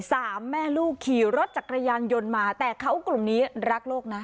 สามแม่ลูกขี่รถจักรยานยนต์มาแต่เขากลุ่มนี้รักโลกนะ